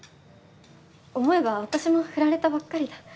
思えば私もフラれたばっかりだ。